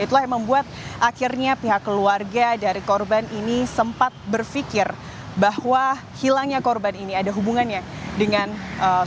itulah yang membuat akhirnya pihak keluarga dari korban ini sempat berpikir bahwa hilangnya korban ini ada hubungannya dengan korban